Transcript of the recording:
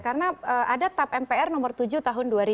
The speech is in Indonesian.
karena ada tap mpr nomor tujuh tahun dua ribu dua